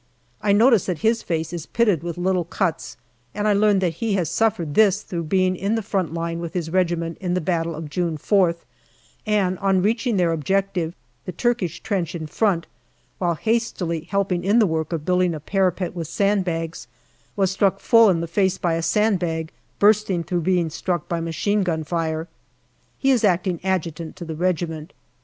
I notice that his face is pitted with little cuts, and I learn that he has suffered this through being in the front line with his regiment in the battle of June 4th, and on reaching their objective the Turkish trench in front while hastily helping in the work of building a parapet with sand bags, JUNE 139 was struck full in the face by a sand bag bursting through being struck by machine gun fire. He is acting Adjutant to the regiment.